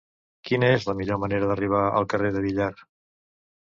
Quina és la millor manera d'arribar al carrer de Villar?